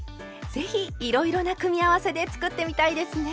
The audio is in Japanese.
是非いろいろな組み合わせで作ってみたいですね！